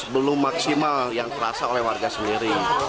belum maksimal yang terasa oleh warga sendiri